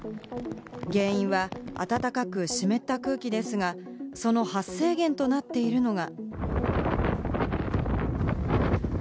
原因は暖かく湿った空気ですが、その発生源となっているのが。